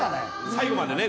最後までね。